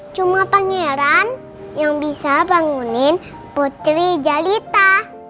cuma pangeran yang bisa bangunin putri jalita